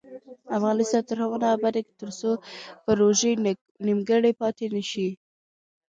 افغانستان تر هغو نه ابادیږي، ترڅو پروژې نیمګړې پاتې نشي.